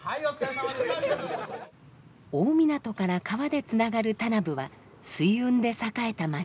大湊から川でつながる田名部は水運で栄えた町。